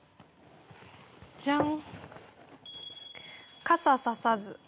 じゃん。